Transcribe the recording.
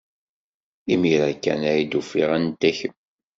Imir-a kan ay d-ufiɣ anta kemm.